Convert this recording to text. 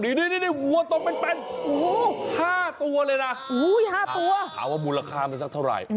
นี่หัวตัวเป็น๕ตัวเลยนะถามว่ามูลค่าเป็นสักเท่าไหร่